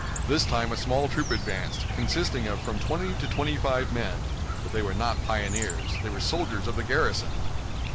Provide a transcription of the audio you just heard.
This time a small troop advanced, consisting of from twenty to twenty five men; but they were not pioneers, they were soldiers of the garrison.